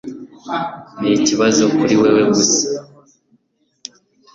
ni ikibazo kuri wewe gusa